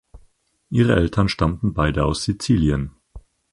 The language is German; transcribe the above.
Ihre Eltern stammten beide aus Sizilien.